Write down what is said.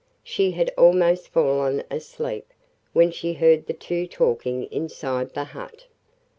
She had almost fallen asleep when she heard the two talking inside the hut.